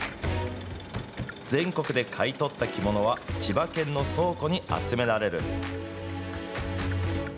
全国で買い取った着物は、千葉県の倉庫に集められる。